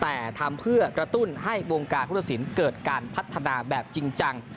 แต่ทำเพื่อกระตุ้นให้วงการพุทธศิลป์เกิดการพัฒนาแบบจริงจัง